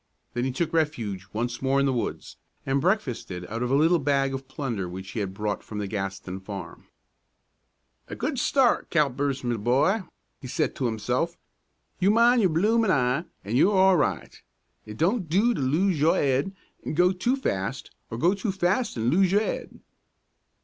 Then he took refuge once more in the woods, and breakfasted out of a little bag of plunder which he had brought from the Gaston farm. "A good start, Callipers, me boy," he said to himself. "You mind your bloomin' eye an' you're all right. It don't do to lose your 'ead an' go too fast, or go too fast an' lose your 'ead."